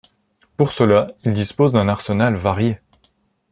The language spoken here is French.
Pour cela, il dispose d'un arsenal varié.